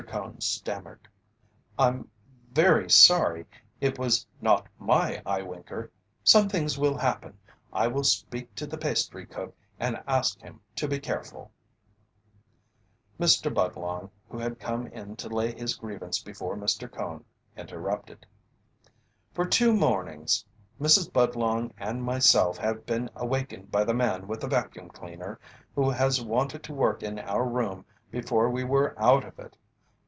Cone stammered: "I'm v very sorry it was not my eyewinker such things will happen I will speak to the pastry cook and ask him to be careful " Mr. Budlong, who had come in to lay his grievance before Mr. Cone, interrupted: "For two mornings Mrs. Budlong and myself have been awakened by the man with the vacuum cleaner who has wanted to work in our room before we were out of it.